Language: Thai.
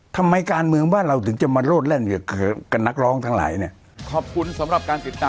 ทำไมการเมืองบ้านเราถึงจะมาโลดแลนด์